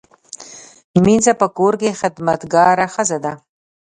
مینځه په کور کې خدمتګاره ښځه ده